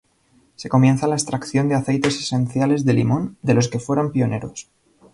Se comienza la extracción de aceites esenciales de limón, de los que fueron pioneros.